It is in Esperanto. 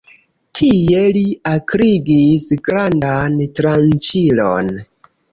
Tie li akrigis grandan tranĉilon.